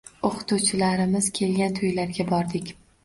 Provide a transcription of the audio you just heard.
Oʻqituvchilarimiz kelgan toʻylarga bordik.